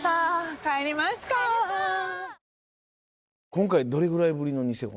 今回どれぐらいぶりのニセコ？